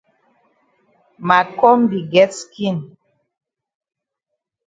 Ma kombi get skin.